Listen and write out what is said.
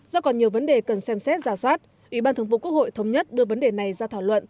do còn nhiều vấn đề cần xem xét giả soát ủy ban thường vụ quốc hội thống nhất đưa vấn đề này ra thảo luận